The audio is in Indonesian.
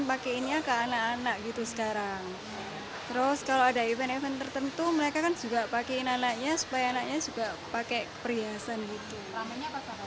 pakaiinnya ke anak anak gitu sekarang terus kalau ada event event tertentu mereka kan juga pakaiin anaknya supaya anaknya juga pakai perhiasan gitu